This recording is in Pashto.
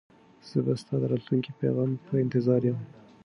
زه به ستا د راتلونکي پیغام په انتظار یم.